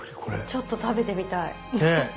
ちょっと食べてみたい。ね。